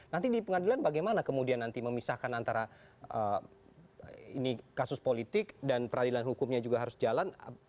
nanti di pengadilan bagaimana kemudian nanti memisahkan antara ini kasus politik dan peradilan hukumnya juga harus jalan